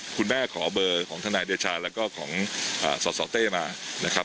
ขอเบอร์ของทนายเดชาแล้วก็ของสสเต้มานะครับ